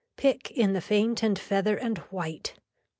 Pick in the faint and feather and white.